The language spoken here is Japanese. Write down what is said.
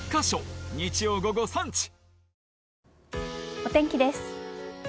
お天気です。